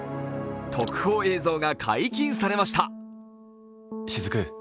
特報映像が解禁されました。